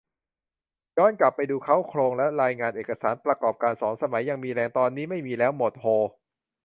ย้อนกลับไปดูเค้าโครงและรายการเอกสารประกอบการสอน สมัยยังมีแรง ตอนนี้ไม่มีแล้ว หมด โฮ